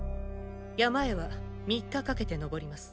山へは３日かけて登ります。